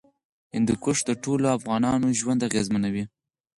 هندوکش د ټولو افغانانو ژوند اغېزمنوي.